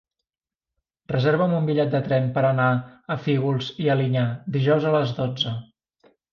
Reserva'm un bitllet de tren per anar a Fígols i Alinyà dijous a les dotze.